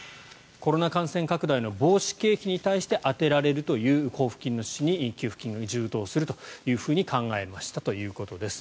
コロナ感染拡大の防止経費に対して充てられるという交付金の趣旨に給付金が充当すると考えましたということです。